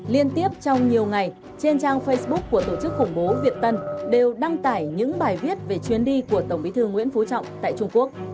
liên tiếp trong nhiều ngày trên trang facebook của tổ chức khủng bố việt tân đều đăng tải những bài viết về chuyến đi của tổng bí thư nguyễn phú trọng tại trung quốc